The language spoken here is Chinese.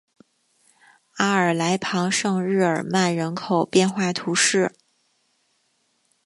阿尔来旁圣日耳曼人口变化图示